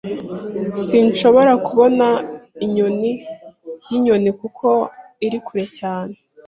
Sinshobora kubona inyoni yinyoni, kuko iri kure cyane.